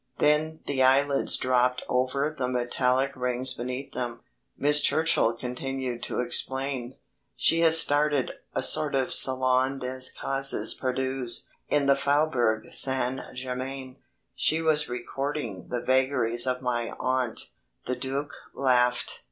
Then the eyelids dropped over the metallic rings beneath them. Miss Churchill continued to explain. "She has started a sort of Salon des Causes Perdues in the Faubourg Saint Germain." She was recording the vagaries of my aunt. The Duc laughed.